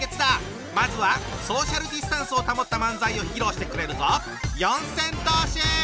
まずはソーシャルディスタンスを保った漫才を披露してくれるぞ。